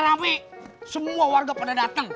rame semua warga pada datang